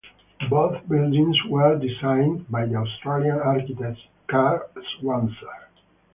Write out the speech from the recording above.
Both buildings were designed by the Austrian architect Karl Schwanzer.